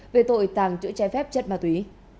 về tội tàng trữ trái phép chất ma túy